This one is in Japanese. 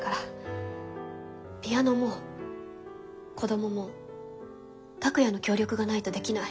ピアノも子どもも拓哉の協力がないとできない。